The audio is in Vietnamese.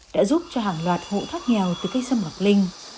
đã giúp cho hàng loạt hộ thoát nghèo từ cây sâm ngọc linh